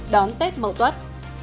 đón tết mậu tuất